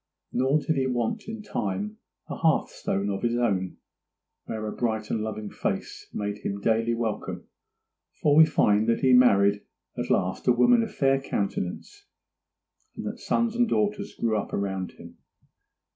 Nor did he want in time a hearthstone of his own, where a bright and loving face made him daily welcome; for we find that he married at last a woman of a fair countenance, and that sons and daughters grew up around him.